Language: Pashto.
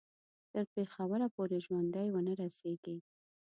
تر پېښوره پوري ژوندي ونه رسیږي.